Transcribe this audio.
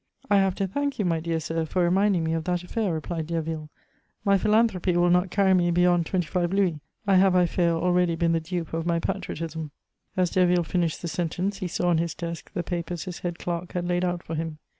"I have to thank you, my dear sir, for reminding me of that affair," replied Derville. "My philanthropy will not carry me beyond twenty five louis; I have, I fear, already been the dupe of my patriotism." As Derville finished the sentence, he saw on his desk the papers his head clerk had laid out for him.